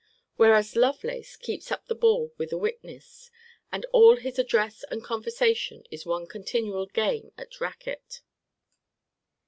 Whereas Lovelace keeps up the ball with a witness, and all his address and conversation is one continual game at raquet.